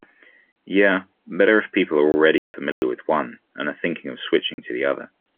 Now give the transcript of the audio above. Yeah, better if people are already familiar with one and are thinking of switching to the other.